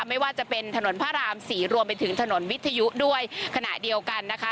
ไม่ว่าจะเป็นถนนพระรามสี่รวมไปถึงถนนวิทยุด้วยขณะเดียวกันนะคะ